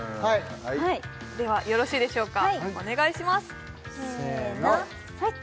はいではよろしいでしょうかお願いしますせのはい！